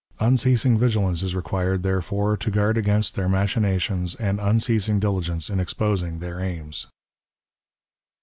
Unceasing vigilance is required, therefore, to guard against their machinations and unceasing diligence in exposing their aims.